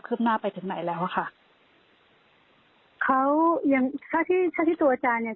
หน้าไปถึงไหนแล้วอ่ะค่ะเขายังถ้าที่ถ้าที่ตัวอาจารย์เนี้ย